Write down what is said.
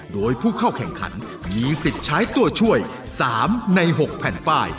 โดยผู้เข้าแข่งขันมีสิทธิ์ใช้ตัวช่วย๓ใน๖แผ่นป้าย